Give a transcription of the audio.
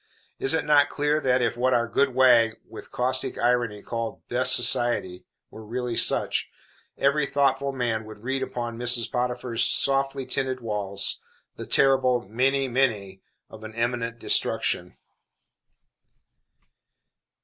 Is it not clear that, if what our good wag, with caustic irony, called "best society," were really such, every thoughtful man would read upon Mrs. Potiphar's softly tinted walls the terrible "mene, mene" of an imminent destruction?